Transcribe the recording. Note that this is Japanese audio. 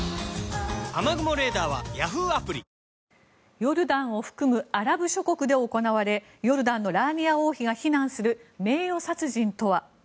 ヨルダンを含むアラブ諸国で行われヨルダンのラーニア王妃が非難する名誉殺人とは。